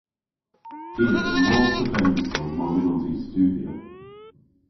I a yll mos dhe bennskol mar mynnons i studhya.